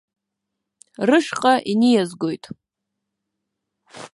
Рышҟа иниазгоит.